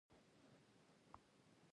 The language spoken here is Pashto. د نړۍ تر ټولو لوی سمندر ارام سمندر دی.